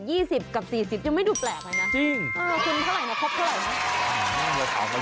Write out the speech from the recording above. ยี่สิบกับสี่สิบยังไม่ดูแปลกเลยน่ะจริงเออคืนเท่าไหร่น่ะ